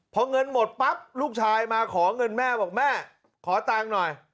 พอเงินหมดปั๊บลูกชายมาขอเงินแม่บอกแม่ขอตังค์หน่อย